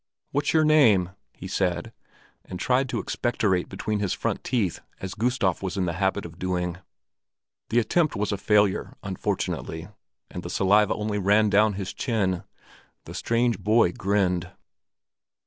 "What's your name?" he said, and tried to expectorate between his front teeth as Gustav was in the habit of doing. The attempt was a failure, unfortunately, and the saliva only ran down his chin. The strange boy grinned.